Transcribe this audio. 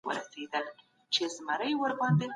ټولنپوهنه تر فلسفې یو نوی علم دی.